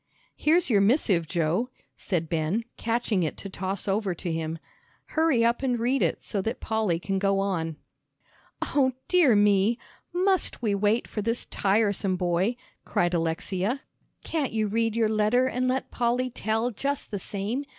"Here's your missive, Joe," said Ben, catching it to toss it over to him. "Hurry up and read it so that Polly can go on." "O dear me! Must we wait for this tiresome boy?" cried Alexia. "Can't you read your letter and let Polly tell just the same?